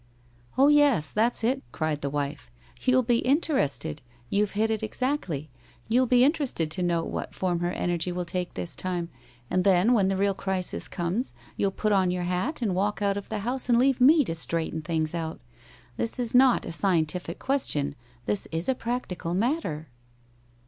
"Oh yes! that's it!" cried the wife. "You'll be interested. You've hit it exactly. You'll be interested to note what form her energy will take this time. And then, when the real crisis comes, you'll put on your hat and walk out of the house and leave me to straighten things out. This is not a scientific question; this is a practical matter."